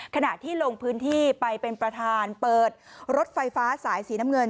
ขณะที่ลงพื้นที่ไปเป็นประธานเปิดรถไฟฟ้าสายสีน้ำเงิน